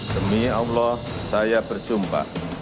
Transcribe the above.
demi allah saya bersumpah